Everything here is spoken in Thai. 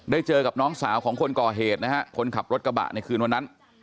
เจอกับน้องสาวของคนก่อเหตุนะฮะคนขับรถกระบะในคืนวันนั้น